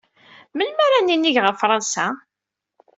Melmi ara ninig ɣer Fṛansa?